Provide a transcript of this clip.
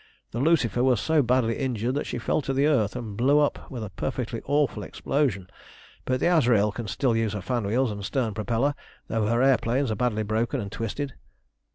The Lucifer was so badly injured that she fell to the earth, and blew up with a perfectly awful explosion; but the Azrael can still use her fan wheels and stern propeller, though her air planes are badly broken and twisted."